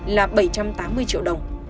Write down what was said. là bảy trăm tám mươi triệu đồng